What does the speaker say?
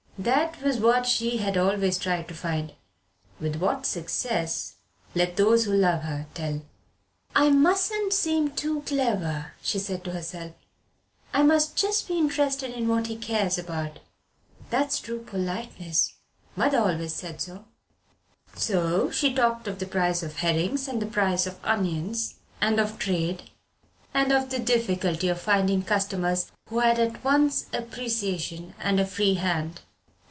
That was what she had always tried to find. With what success let those who love her tell. "I mustn't seem too clever," she said to herself; "I must just be interested in what he cares about. That's true politeness: mother always said so." So she talked of the price of herrings and the price of onions, and of trade, and of the difficulty of finding customers who had at once appreciation and a free hand.